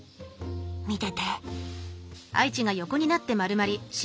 見てて。